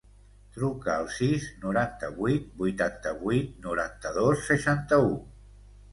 Truca al sis, noranta-vuit, vuitanta-vuit, noranta-dos, seixanta-u.